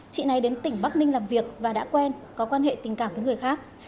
chị này đến tỉnh bắc ninh làm việc và đã quen có quan hệ tình cảm với người khác